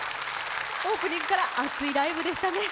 オープニングから熱いライブでしたね。